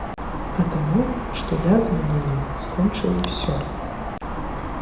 А таму, што я з мінулым скончыў усё.